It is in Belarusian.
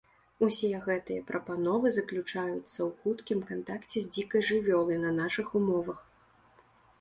Усе гэтыя прапановы заключаецца ў хуткім кантакце з дзікай жывёлай на нашых умовах.